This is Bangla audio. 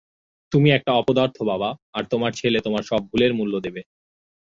তুমি একটা অপদার্থ বাবা, আর তোমার ছেলে তোমার সব ভুলের মূল্য দেবে।